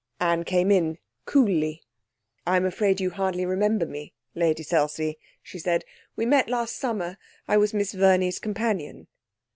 Anne came in, coolly. 'I'm afraid you hardly remember me, Lady Selsey,' she said. 'We met last summer. I was Miss Verney's companion.'